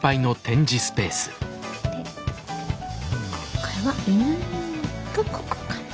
で今回はここかな。